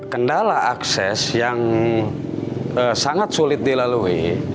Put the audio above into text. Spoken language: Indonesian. kendala akses yang sangat sulit dilalui